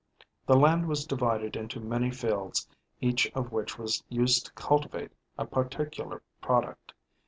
The land was divided into many fields each of which was used to cultivate a particular product.